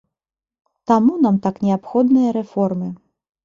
Таму нам так неабходныя рэформы.